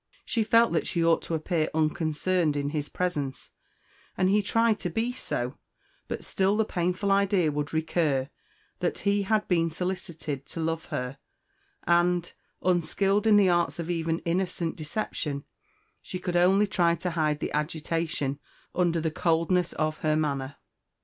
She felt that she ought to appear unconcerned in his presence, and he tried to be so; but still the painful idea would recur that he had been solicited to love her, and, unskilled in the arts of even innocent deception, she could only try to hide the agitation under the coldness of her manner.